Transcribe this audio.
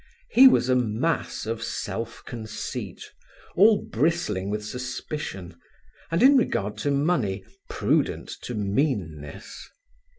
He was a mass of self conceit, all bristling with suspicion, and in regard to money, prudent to meanness.